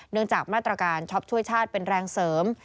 จากมาตรการช็อปช่วยชาติเป็นแรงเสริม